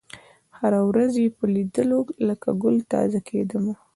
هره ورځ یې په لېدلو لکه ګل تازه کېدمه